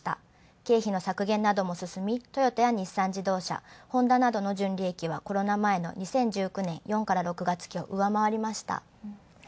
経費の削減なども進み、トヨタや日産自動車、ホンダなどの純利益はコロナ前の２０１９年４−６月期を上回りました。